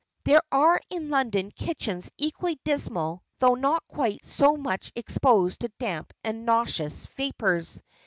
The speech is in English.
There are in London kitchens equally dismal though not quite so much exposed to damp and noxious vapours.